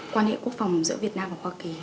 quan hệ quốc phòng giữa việt nam và hoa kỳ